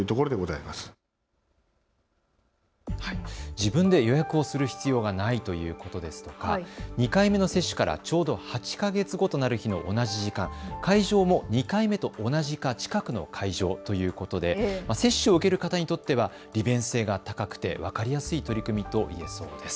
自分で予約をする必要がないということですとか２回目の接種からちょうど８か月後となる日の同じ時間、会場も２回目と同じか近くの会場ということで接種を受ける方にとっては利便性が高くて分かりやすい取り組みと言えそうです。